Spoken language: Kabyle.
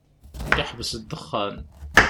Yeḥbes ddexxan.